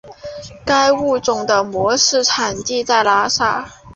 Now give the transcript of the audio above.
该物种的模式产地在拉萨。